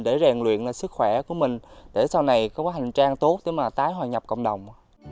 để rèn luyện sức khỏe của mình để sau này có hành trang tốt để mà tái hòa nhập cộng đồng